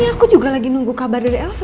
aku juga lagi nunggu kabar dari elsa